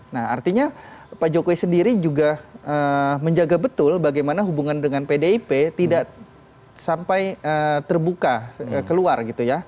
nah artinya pak jokowi sendiri juga menjaga betul bagaimana hubungan dengan pdip tidak sampai terbuka keluar gitu ya